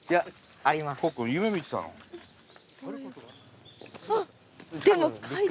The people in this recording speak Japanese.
あっ！